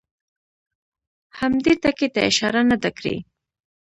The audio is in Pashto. هم دې ټکي ته اشاره نه ده کړې.